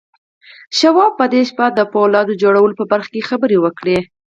شواب په دې شپه د پولاد جوړولو په برخه کې خبرې وکړې.